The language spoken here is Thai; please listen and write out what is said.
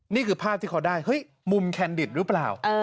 นี่คือภาพที่เขาได้เฮ้ยมุมแคนดิตหรือเปล่า